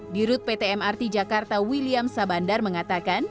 dirut pt mrt jakarta william sabandar mengatakan